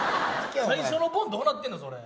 最初のボンどうなってるのそれ。